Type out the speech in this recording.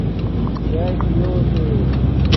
چاݵے پیااُتے